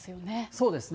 そうですね。